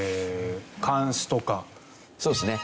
そうですね。